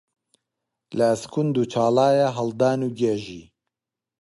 لە ئەسکوند و چاڵایە هەڵدان و گێژی